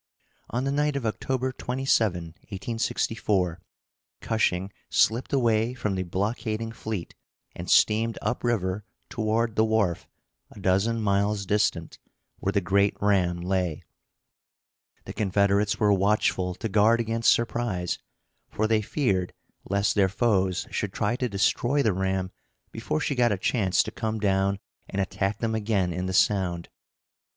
On the night of October 27, 1864, Cushing slipped away from the blockading fleet, and steamed up river toward the wharf, a dozen miles distant, where the great ram lay. The Confederates were watchful to guard against surprise, for they feared lest their foes should try to destroy the ram before she got a chance to come down and attack them again in the Sound.